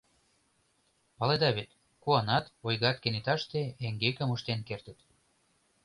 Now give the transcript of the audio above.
Паледа вет, куанат, ойгат кенеташте эҥгекым ыштен кертыт.